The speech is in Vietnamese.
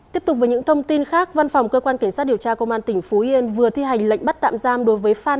tiếp tục với những thông tin khác văn phòng cơ quan kiểm soát điều tra công an tỉnh phú yên